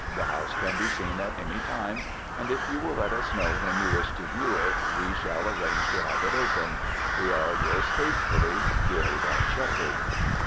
The house can be seen at any time, and if you will let us know when you wish to view it we shall arrange to have it opened. We are, Yours faithfully, GUILD AND SHEPHERD.